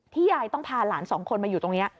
ยายต้องพาหลานสองคนมาอยู่ตรงนี้